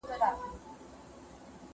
جنګ د ورانۍ او بدبختۍ نوم دی.